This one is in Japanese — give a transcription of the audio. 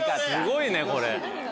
すごいねこれ。